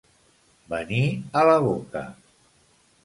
Venir a la boca.